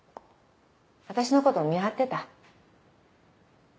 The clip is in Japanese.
私のことを見張ってた？